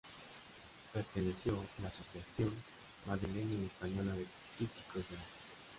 Perteneció a la Asociación Madrileña y Española de Críticos de Arte.